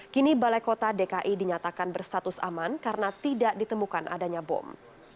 kini balai kota dki dinyatakan berstatus aman karena tidak ditemukan adanya bom